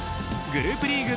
グループリーグ